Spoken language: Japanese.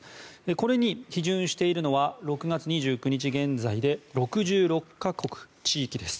これに批准しているのは６月２９日現在で６６か国です。